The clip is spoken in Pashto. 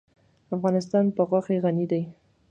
افغانستان په غوښې غني دی.